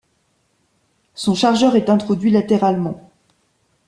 Son chargeur est introduit latéralement.